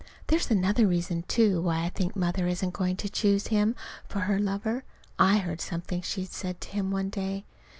There's another reason, too, why I think Mother isn't going to choose him for her lover. I heard something she said to him one day.